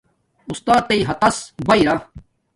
اُستاتݵ ھاتس باہ ارا